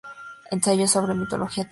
Ensayo sobre mitología taína